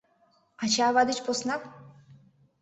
Ача-ава деч посна?